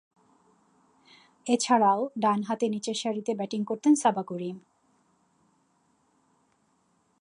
এছাড়াও, ডানহাতে নিচেরসারিতে ব্যাটিং করতেন সাবা করিম।